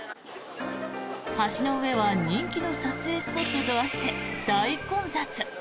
橋の上は人気の撮影スポットとあって大混雑。